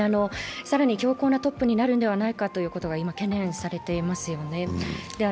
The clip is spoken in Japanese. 更に強硬なトップになるのではないかと今、懸念されてますよね。